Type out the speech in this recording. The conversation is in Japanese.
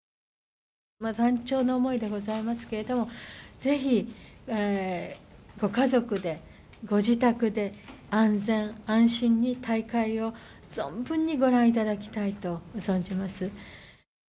断腸の思いでございますけれども、ぜひ、ご家族で、ご自宅で、安全安心に大会を存分にご覧いただきたいと存じます。